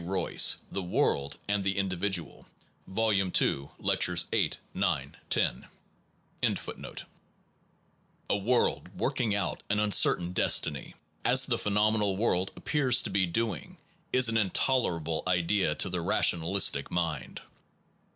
Royce: The World and the Individual, vol. ii, lectures 8, 9, 10. 141 SOME PROBLEMS OF PHILOSOPHY A world working out an uncertain destiny, its de as the phenomenal world appears to be doing, is an intolerable idea to the rationalistic mind.